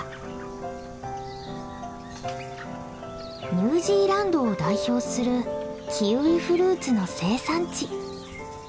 ニュージーランドを代表するキウイフルーツの生産地。